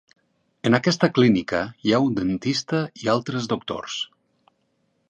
En aquesta clínica hi ha un dentista i altres doctors.